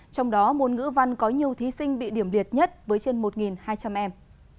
trong đó môn ngữ văn có nhiều thí sinh bị điểm liệt nhất với trên một hai trăm linh em